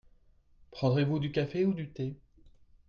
Prendrez-vous du café ou du thé ?